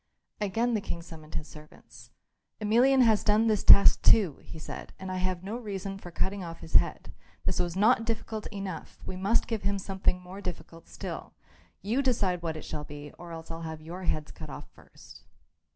Again the King summoned his servants. "Emelian has done this task too," he said, "and I have no reason for cutting off his head. This was not difficult enough; we must give him something more difficult still. You decide what it shall be, or else I'll have your heads cut off first."